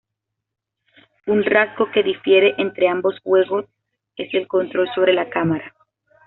Un rasgo que difiere entre ambos juegos es el control sobre la cámara.